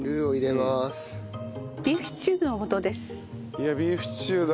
いやビーフシチューだ。